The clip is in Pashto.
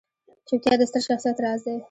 چوپتیا، د ستر شخصیت راز دی.